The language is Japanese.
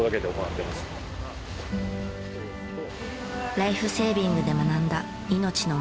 ライフセービングで学んだ命の重さ。